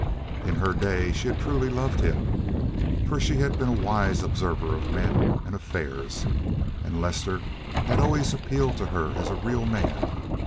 In her day she had truly loved him, for she had been a wise observer of men and affairs, and Lester had always appealed to her as a real man.